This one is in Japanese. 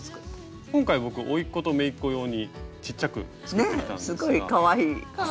今回僕おいっ子とめいっ子用にちっちゃく作ってきたんですが。